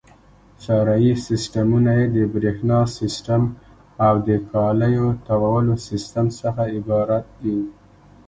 فرعي سیسټمونه یې د برېښنا سیسټم او د کالیو تاوولو سیسټم څخه عبارت دي.